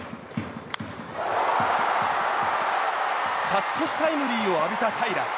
勝ち越しタイムリーを浴びた平良。